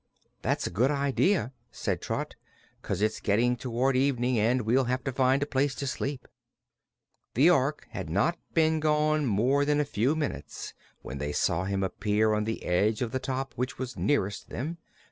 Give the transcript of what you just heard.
"That's a good idea," said Trot, "'cause it's getting toward evening and we'll have to find a place to sleep." The Ork had not been gone more than a few minutes when they saw him appear on the edge of the top which was nearest them.